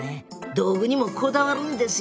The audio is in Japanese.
道具にもこだわるんですよ。